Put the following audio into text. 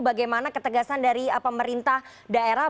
bagaimana ketegasan dari pemerintah daerah